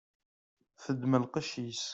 Teddem lqec-is.